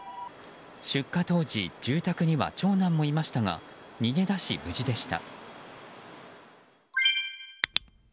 出火当時、住宅には長男もいましたが逃げ出し無事でした。